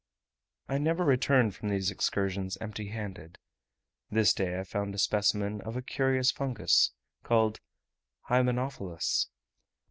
I never returned from these excursions empty handed. This day I found a specimen of a curious fungus, called Hymenophallus.